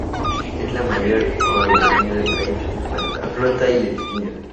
Es la mayor aerolínea del país en cuanto a flota y destinos.